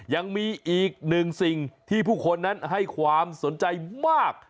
ยังมีอีกหนึ่งสิ่งที่ผู้คนนั้นให้ความสนใจมาก